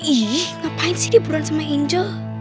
ih ngapain sih diburan sama angel